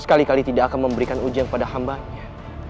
sekali kali tidak akan memberikan ujian pada hambanya